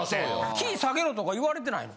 「キー下げろ」とか言われてないの？